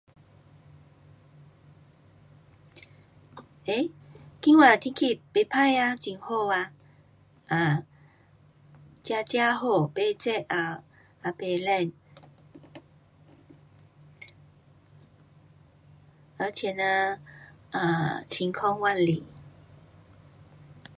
诶，今天的天气不错呀，很好啊，呃，刚刚好，不热啊，也不冷。